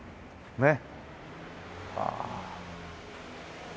ねっ。